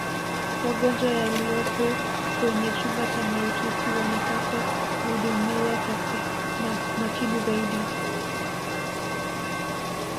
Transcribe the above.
wagonjwa waliyopo kwenye chumba cha mautiuti wanapaswa kuhudumiwa makini zaidi